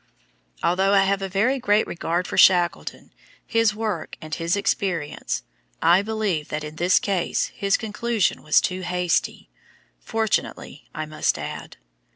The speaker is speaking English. Although I have a very great regard for Shackleton, his work and his experience, I believe that in this case his conclusion was too hasty fortunately, I must add.